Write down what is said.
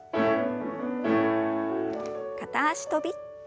片脚跳び。